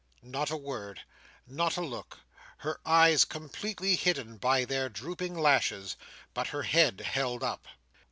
Not a word. Not a look Her eyes completely hidden by their drooping lashes, but her head held up.